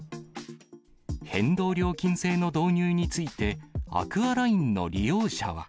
変動料金制の導入について、アクアラインの利用者は。